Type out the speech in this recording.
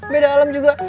beda alam juga